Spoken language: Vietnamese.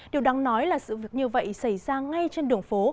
điều đáng nói là sự việc như vậy xảy ra ngay trên đường phố